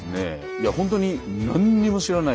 いやほんとに何も知らない。